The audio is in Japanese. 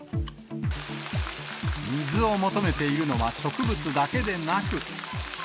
水を求めているのは植物だけでなく。